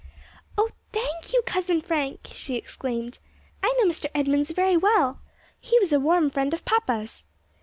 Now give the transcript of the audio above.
"O, thank you, Cousin Frank!" she exclaimed. "I know Mr. Edmunds very well. He was a warm friend of papa's."